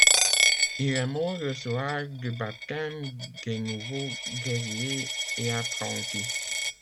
Il est mort le soir du baptême des nouveaux Guerriers et Apprentis.